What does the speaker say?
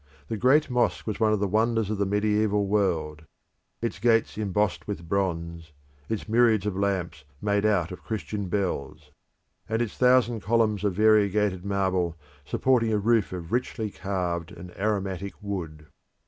The great mosque was one of the wonders of the mediaeval world; its gates embossed with bronze; its myriads of lamps made out of Christian bells; and its thousand columns of variegated marble supporting a roof of richly carved and aromatic wood.